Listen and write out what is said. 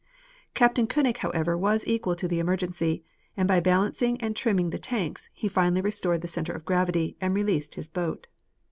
Captain Koenig however was equal to the emergency, and by balancing and trimming the tanks he finally restored the center of gravity and released his boat.